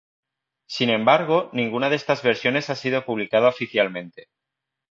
Sin embargo, ninguna de estas versiones ha sido publicada oficialmente.